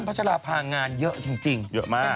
ัชราภางานเยอะจริงเยอะมาก